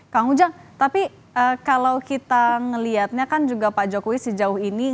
kang ujang tapi kalau kita melihatnya kan juga pak jokowi sejauh ini